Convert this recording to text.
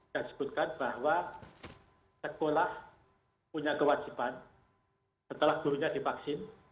dicebutkan bahwa sekolah punya kewajiban setelah gurunya divaksin